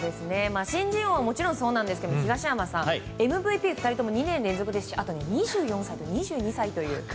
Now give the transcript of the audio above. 新人王はもちろんそうなんですけども東山さん、ＭＶＰ２人とも２年連続ですしあと２４歳と２２歳という。